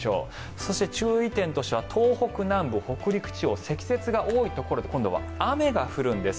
そして、注意点としては東北南部北陸地方積雪が多いところで今度は雨が降るんです。